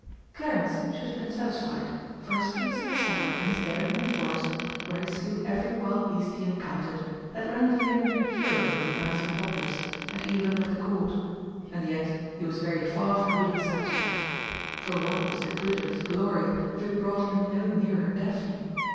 Clarence should have been satisfied, for his feats in the saddle and his daring in the forest, where he slew every wild beast he encountered, had rendered him a hero in the eyes of the populace, and even of the Court. And yet he was very far from being satisfied for what was the good of his glory if it brought him no nearer Daphne?